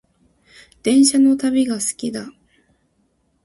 電車の旅が好きだ